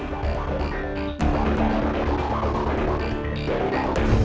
gak ada apa apa